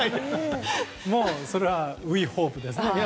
それは、ウィーホープですよ。